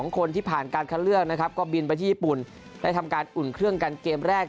คนที่ผ่านการคัดเลือกนะครับก็บินไปที่ญี่ปุ่นได้ทำการอุ่นเครื่องกันเกมแรก